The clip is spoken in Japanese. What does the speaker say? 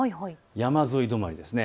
山沿い止まりです。